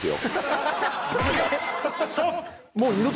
もう。